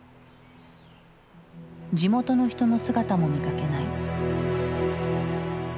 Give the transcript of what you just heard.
地元の人の姿も見かけない。